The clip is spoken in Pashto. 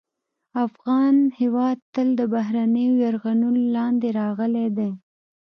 افغان هېواد تل د بهرنیو یرغلونو لاندې راغلی دی